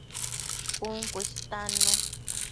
Cun cu istannu